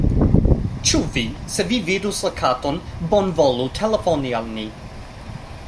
Ĉu vi... se vi vidus la katon, bonvolu telefoni al ni."